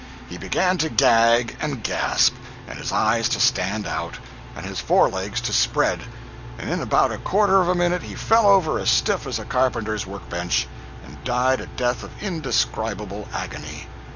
He began to gag and gasp, and his eyes to stand out, and his forelegs to spread, and in about a quarter of a minute he fell over as stiff as a carpenter's work bench, and died a death of indescribable agony.